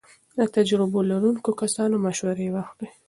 له تجربو لرونکو کسانو مشورې واخلئ.